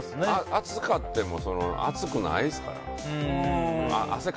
暑かっても熱くないですから。